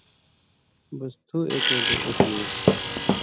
بِس تھو ایک ولے ایک نی تھو۔